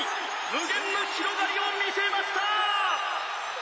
無限の広がりを見せました。